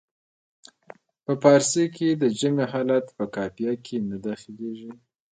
په فارسي کې د جمع حالت په قافیه کې نه داخلیږي.